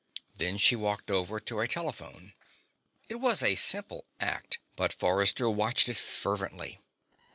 Then she walked over to a telephone. It was a simple act but Forrester watched it fervently.